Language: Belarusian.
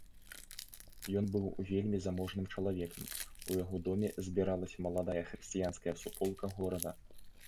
Ён быў вельмі заможным чалавекам, у яго доме збіралася маладая хрысціянская суполка горада.